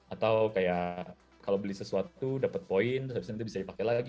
atau kayak kalau beli sesuatu dapet poin terus nanti bisa dipakai lagi